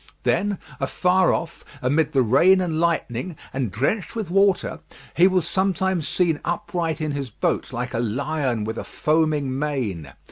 Then afar off, amid the rain and lightning, and drenched with water, he was sometimes seen upright in his boat like a lion with a foaming mane.